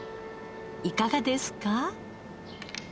いかがですか？